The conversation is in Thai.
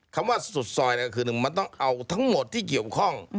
คำว่าสุดซอยก็คือหนึ่งมันต้องเอาทั้งหมดที่เกี่ยวข้อง